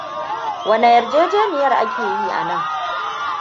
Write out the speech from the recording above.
Wane yarjejeniyar akeyi anan?